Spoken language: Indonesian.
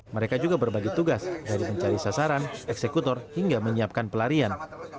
mereka juga berbagi tugas dari mencari sasaran eksekutor hingga menyiapkan pelarian